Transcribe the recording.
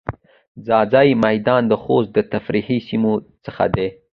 ځاځی میدان د خوست د تفریحی سیمو څخه ده.